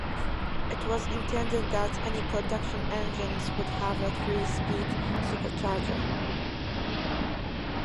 It was intended that any production engines would have a three-speed supercharger.